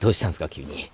急に。